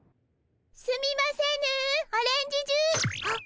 すみませぬオレンジジュハッ！